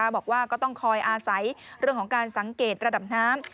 บอกว่าก็ต้องคอยอาศัยเรื่องของการสังเกตระดับน้ำ